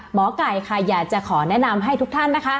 หมอไก่ค่ะอยากจะขอแนะนำให้ทุกท่านนะคะ